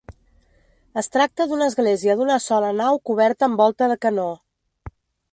Es tracta d'una església d'una sola nau coberta amb volta de canó.